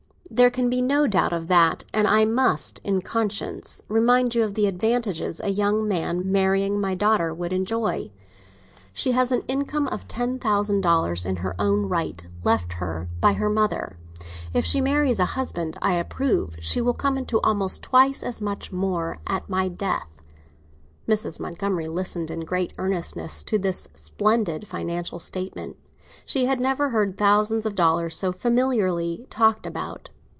"There can be no doubt of that; and I must, in conscience, remind you of the advantages a young man marrying my daughter would enjoy. She has an income of ten thousand dollars in her own right, left her by her mother; if she marries a husband I approve, she will come into almost twice as much more at my death." Mrs. Montgomery listened in great earnestness to this splendid financial statement; she had never heard thousands of dollars so familiarly talked about.